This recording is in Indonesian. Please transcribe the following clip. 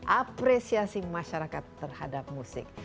apresiasi masyarakat terhadap musik